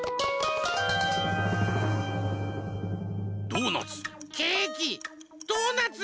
ドーナツ。